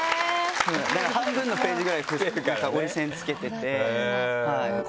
だから半分のページぐらい折り線つけてて。